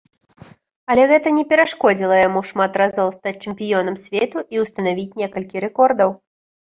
Але гэта не перашкодзіла яму шмат разоў стаць чэмпіёнам свету і ўстанавіць некалькі рэкордаў.